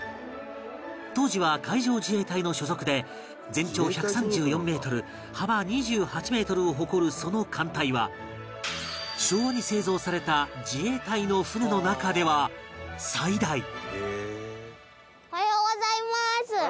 当時は海上自衛隊の所属で全長１３４メートル幅２８メートルを誇るその艦体は昭和に製造された自衛隊の船の中では最大おはようございます。